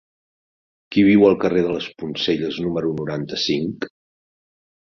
Qui viu al carrer de les Poncelles número noranta-cinc?